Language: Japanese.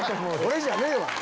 俺じゃねえわ。